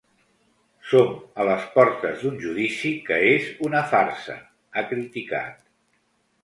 Som a les portes d’un judici que és una farsa, ha criticat.